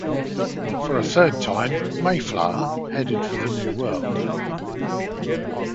For a third time, "Mayflower" headed for the New World.